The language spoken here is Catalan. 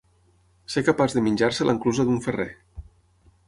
Ser capaç de menjar-se l'enclusa d'un ferrer.